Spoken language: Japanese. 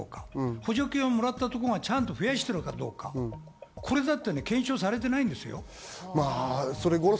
補助金をもらったところがちゃんと増やしてるかどうかこれだって検証されていないんですよ。